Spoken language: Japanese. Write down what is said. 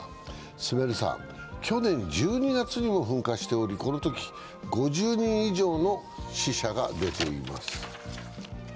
スメル山、去年１２月にも噴火しており、このときは５０人以上の死者が出ています。